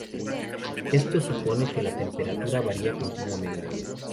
Esto supone que la temperatura varía continuamente.